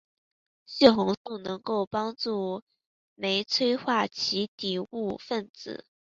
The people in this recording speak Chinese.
血红素能够帮助酶催化其底物分子。